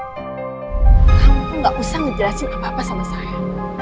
kamu tuh nggak usah ngejelasin apa apa sama saya